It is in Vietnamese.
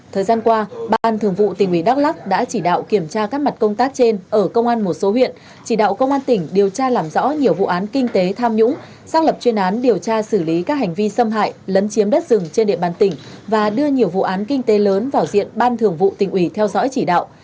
thời gian qua ban thường vụ tỉnh ủy đắk lắc đã chỉ đạo kiểm tra các mặt công tác trên ở công an một số huyện chỉ đạo công an tỉnh điều tra làm rõ nhiều vụ án kinh tế tham nhũng xác lập chuyên án điều tra xử lý các hành vi xâm hại lấn chiếm đất rừng trên địa bàn tỉnh và đưa nhiều vụ án kinh tế lớn vào diện ban thường vụ tỉnh ủy theo dõi chỉ đạo